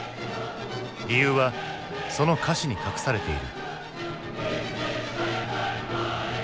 理由はその歌詞に隠されている。